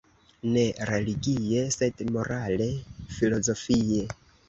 Ne religie, sed morale-filozofie.